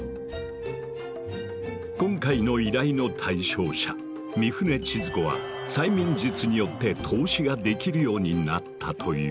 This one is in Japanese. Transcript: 今回の依頼の対象者・御船千鶴子は催眠術によって透視ができるようになったという。